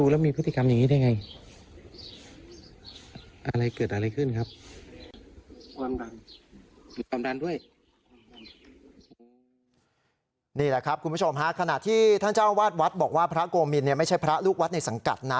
นี่แหละครับคุณผู้ชมฮะขณะที่ท่านเจ้าวาดวัดบอกว่าพระโกมินไม่ใช่พระลูกวัดในสังกัดนะ